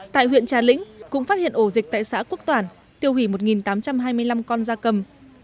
tại huyện trà lĩnh cũng phát hiện ổ dịch tại xã quốc toản tiêu hủy một tám trăm hai mươi năm con da cầm